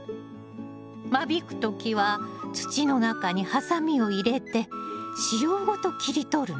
間引く時は土の中にハサミを入れて子葉ごと切り取るの。